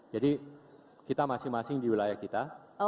jadi kita masing masing di wilayah kita